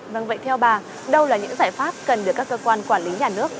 vâng vậy theo bà đâu là những giải pháp cần được các cơ quan quản lý nhà nước